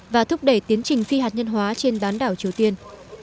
và thúc đẩy tiến trình phi hạt nhân hóa trên bán đảo triều tiên